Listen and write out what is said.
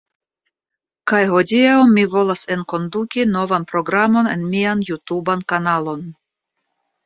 Kaj hodiaŭ mi volas enkonduki novan programon en mian jutuban kanalon